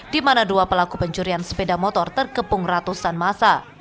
di mana dua pelaku pencurian sepeda motor terkepung ratusan masa